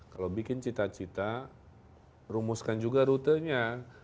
kalau bikin cita cita rumuskan juga rutenya